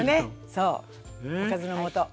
そうおかずの素。